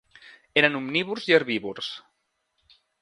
Eren omnívors i herbívors.